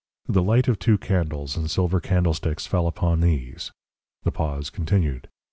The light of two candles, in silver candlesticks, fell upon these. The pause continued.